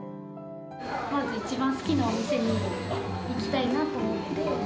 まず一番好きなお店に行きたいなと思って。